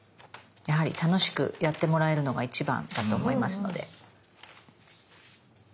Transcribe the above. やはり楽しくやってもらえるのが一番だと思いますので。